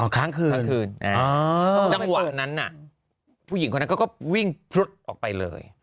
ครั้งคืนจังหวะนั้นน่ะผู้หญิงคนนั้นก็วิ่งพลุดออกไปเลย